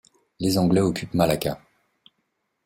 Les Anglais occupent Malacca.